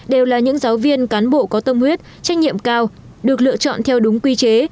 đều là những giáo viên cán bộ có tâm huyết trách nhiệm cao được lựa chọn theo đúng quy chế